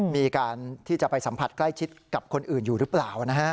มีการที่จะไปสัมผัสใกล้ชิดกับคนอื่นอยู่หรือเปล่า